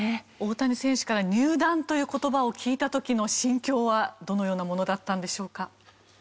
大谷選手から入団という言葉を聞いた時の心境はどのようなものだったんでしょうか？